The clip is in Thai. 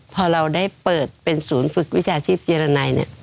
พอเราได้เปิดเป็นศูนย์ฝึกวิชาชีพเจรนัยเนี่ย